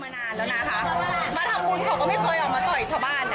มาทำบุญเขาก็ไม่เคยออกมาต่ออีกชาวบ้านนะ